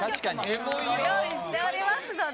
ご用意しておりますので。